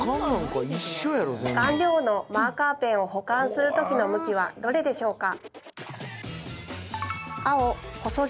顔料のマーカーペンを保管する時の向きはどれでしょうか？